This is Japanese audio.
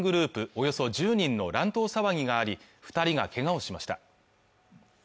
およそ１０人の乱闘騒ぎがあり二人がけがをしました